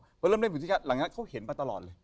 เพราะเริ่มเล่นผีถ้วยแก้วหลังจากนั้นเขาเห็นมาตลอดเลย